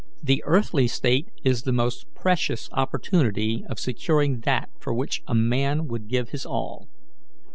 The earthly state is the most precious opportunity of securing that for which a man would give his all.